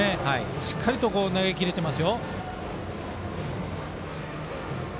しっかりと投げ切れていますよ。